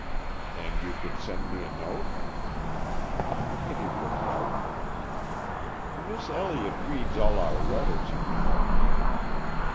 "And you could send me a note?" Kittie looked doubtful. "Miss Elliott reads all our letters, you know."